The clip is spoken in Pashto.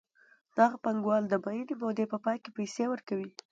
دغه پانګوال د معینې مودې په پای کې پیسې ورکوي